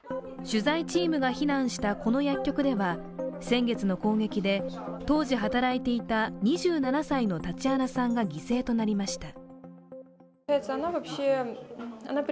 取材チームが避難したこの薬局では先月の攻撃で当時働いていた２７歳のタチアナさんが犠牲となりました。